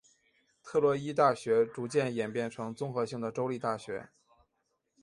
特洛伊大学逐渐演变成综合性的州立大学。